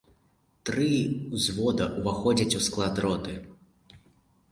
Тры ўзвода ўваходзяць у склад роты.